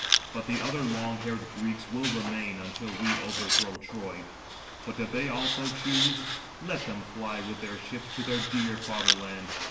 But the other long haired Greeks will remain until we overthrow Troy: but if they also [choose], let them fly with their ships to their dear fatherland.